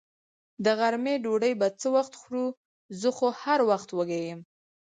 د غرمې ډوډۍ به څه وخت خورو؟ زه خو هر وخت وږې یم.